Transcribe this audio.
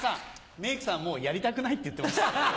メイクさん「もうやりたくない」って言ってました。